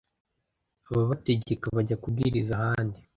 ababategeka bajya kubwiriza ahandi .